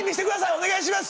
お願いします！